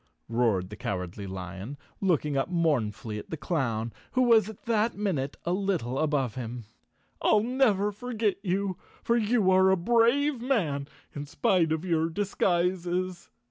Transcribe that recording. roared the Cowardly Lion, looking up mournfully at the clown, who was at that minute a little above him. "I'll never forget you, for you are a brave man in spite of your disguises."